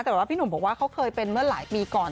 แต่ว่าพี่หนุ่มบอกว่าเขาเคยเป็นเมื่อหลายปีก่อน